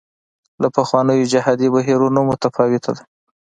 له پخوانیو جهادي بهیرونو متفاوته ده.